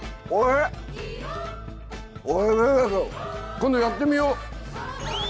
今度やってみよう！